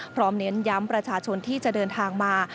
เน้นย้ำประชาชนที่จะเดินทางมา